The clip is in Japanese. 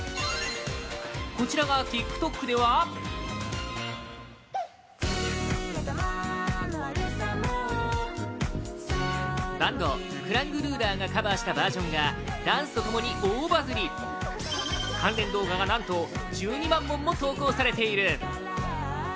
こちらがＴｉｋＴｏｋではバンドＫｌａｎｇＲｕｌｅｒがカバーしたバージョンがダンスと共に大バズり関連動画が何と１２万本も投稿されている